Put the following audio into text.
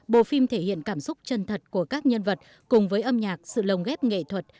bộ phim thể hiện cảm xúc chân thật của các nhân vật cùng với âm nhạc sự lồng ghép nghệ thuật